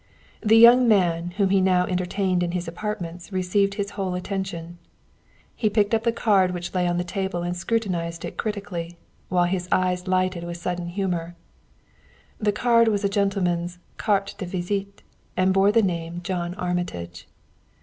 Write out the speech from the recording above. The young man whom he now entertained in his apartments received his whole attention. He picked up the card which lay on the table and scrutinized it critically, while his eyes lighted with sudden humor. The card was a gentleman's carte de visite, and bore the name John Armitage.